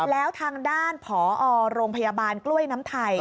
แล้วทางด้านผอโรงพยาบาลกล้วยน้ำไทย